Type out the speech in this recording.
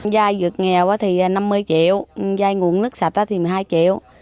giai dược nghèo thì năm mươi triệu giai ngủ nước sạch thì một mươi hai triệu